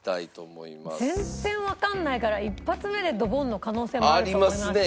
全然わかんないから１発目でドボンの可能性もあると思いますね。ありますね。